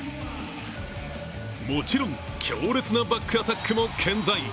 もちろん強烈なバックアタックも健在。